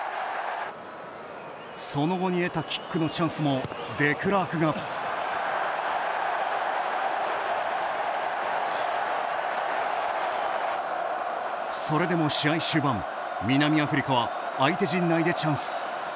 その後に得たキックのチャンスもデクラークがそれでも試合終盤、南アフリカは相手陣内でチャンス。